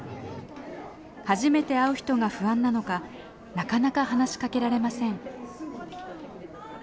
初めて会う人が不安なのかなかなか話しかけられません。